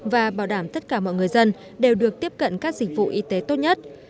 và bảo đảm tất cả mọi người dân đều được tiếp cận các dịch vụ y tế tốt nhất